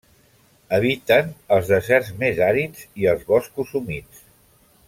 Eviten els deserts més àrids i els boscos humits.